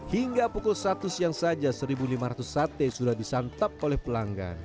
hingga pukul satu siang saja satu lima ratus sate sudah disantap oleh pelanggan